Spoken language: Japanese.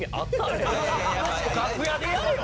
楽屋でやれよ！